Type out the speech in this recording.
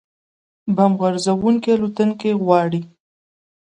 بمب غورځوونکې الوتکې غواړي